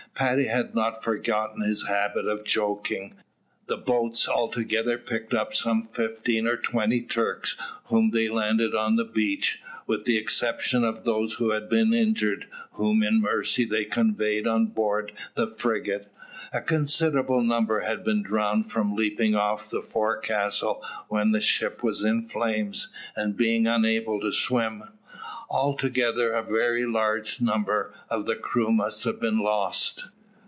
Paddy had not forgotten his habit of joking. The boats altogether picked up some fifteen or twenty Turks, whom they landed on the beach, with the exception of those who had been injured, whom in mercy they conveyed on board the frigate. A considerable number had been drowned from leaping off the forecastle when the ship was in flames, and being unable to swim. Altogether a very large number of the crew must have been lost.